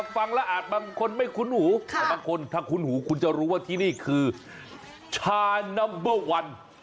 ฟังแล้วอาจบางคนไม่คุ้นหูแต่บางคนถ้าคุ้นหูคุณจะรู้ว่าที่นี่คือชานัมเบอร์วัน